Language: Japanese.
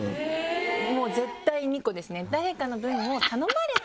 もう絶対２個ですね。